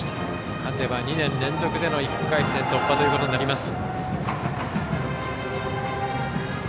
勝てば２年連続での１回戦突破となります。